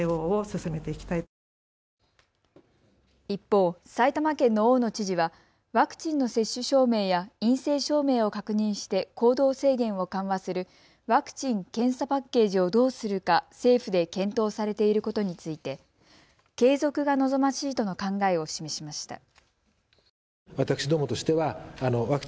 一方、埼玉県の大野知事はワクチンの接種証明や陰性証明を確認して行動制限を緩和するワクチン・検査パッケージをどうするか、政府で検討されていることについて継続が望ましいとの考えを示しました。